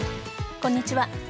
こんにちは。